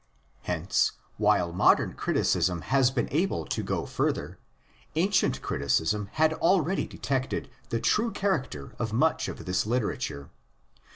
Hence, while modern criticism has been able to go further, _ ancient criticism had already detected the true char . acter of much of this literature.